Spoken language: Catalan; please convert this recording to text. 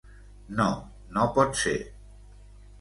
No, no pot ser.